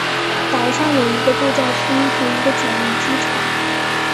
岛上有一个度假村和一个简易机场。